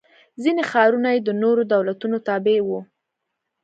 ځیني ښارونه یې د نورو دولتونو تابع و.